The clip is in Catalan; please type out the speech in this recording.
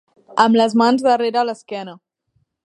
Amb les mans darrere l'esquena.